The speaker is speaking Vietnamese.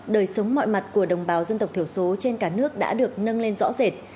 đồng bào dân tộc thiểu số trên cả nước đã được nâng lên rõ rệt